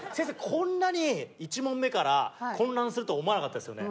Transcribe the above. こんなに１問目から混乱すると思わなかったですよね。